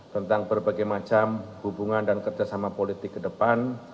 tentang berbagai macam hubungan dan kerjasama politik ke depan